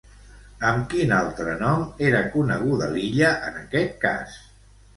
Amb quin altre nom era coneguda l'illa en aquest cas?